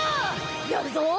やるぞー！